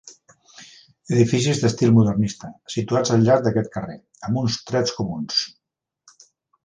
Edificis d'estil modernista, situats al llarg d'aquest carrer, amb uns trets comuns.